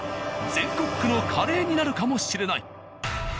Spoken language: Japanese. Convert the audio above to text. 全国区のカレーになるかもしれない。